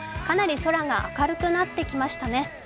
かなり空が明るくなってきましたね。